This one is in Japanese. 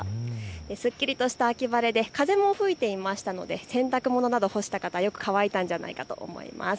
すっきりとした秋晴れで風も吹いていましたので洗濯物など干した方、よく乾いたんじゃないかなと思います。